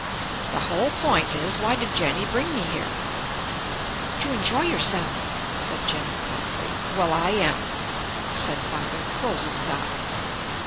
"The whole point is, why did Jenny bring me here?" "To enjoy yourself," said Jenny promptly. "Well, I am," said Father, closing his eyes.